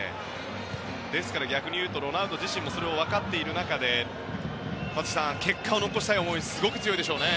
ですから逆にいうとロナウド自身もそれを分かっている中で松木さん、結果を残したい思いはすごく強いでしょうね。